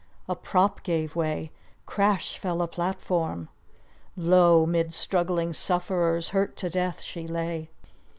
A prop gave way! crash fell a platform! Lo, Mid struggling sufferers, hurt to death, she lay!